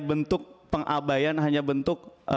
bentuk pengabayan hanya bentuk